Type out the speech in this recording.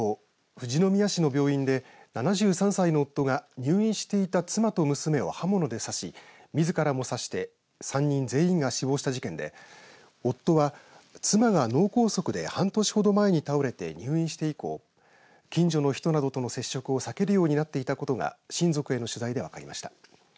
富士宮市の病院で７３歳の夫が入院していた妻と娘を刃物で刺しみずからも刺して３人全員が死亡した事件で夫は妻が脳梗塞で、半年ほど前に倒れて入院して以降近所の人などとの接触を避けるようになっていたことが親族への取材で分かりました。